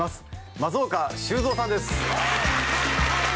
松岡修造さんです